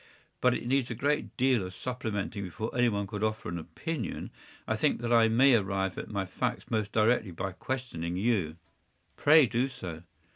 ” “But it needs a great deal of supplementing before any one could offer an opinion. I think that I may arrive at my facts most directly by questioning you.” “Pray do so.